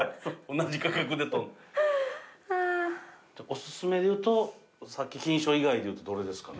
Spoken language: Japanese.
お薦めでいうとさっき金賞以外でいうとどれですかね？